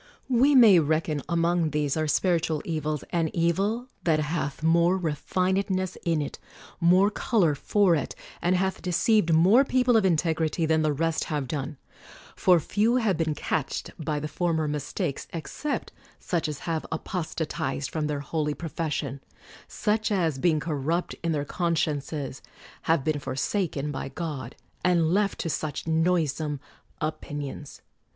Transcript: We may reckon among these our spiritual evils an evil that hath more refinedness in it, more color for it, and hath deceived more people of in tegrity than the rest have done; for few have been catched by the former mistakes except such as have apostatized from their holy profession, 123 THE WORLD'S FAMOUS ORATIONS such as, being corrupt in their consciences, have been forsaken by God and left to such noisome opinions.